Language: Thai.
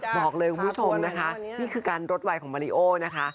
บอกเลยคุณผู้ชมนะคะนี่คือการรดวัยของมาริโอนะคะ